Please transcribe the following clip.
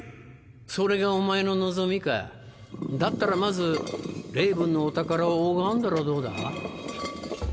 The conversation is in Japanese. それがお前の望みかだったらまずレイブンのお宝を拝んだらどうだ？